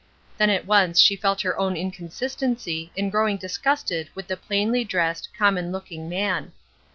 Then at once she felt her own inconsistency in growing disgusted with the plainly dressed, common looking man.